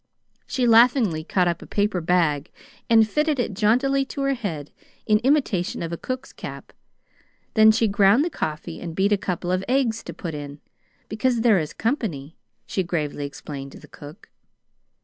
She laughingly caught up a paper bag and fitted it jauntily to her head in imitation of a cook's cap. Then she ground the coffee, and beat a couple of eggs to put in, "because there is company," she gravely explained to the cook.